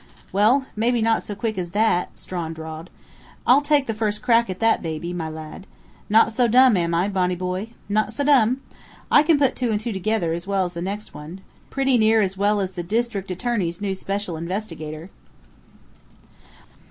"Well, maybe not so quick as all that," Strawn drawled. "I'll take the first crack at that baby, my lad!... Not so dumb, am I, Bonnie boy? Not so dumb! I can put two and two together as well as the next one pretty near as well as the district attorney's new 'special investigator!'"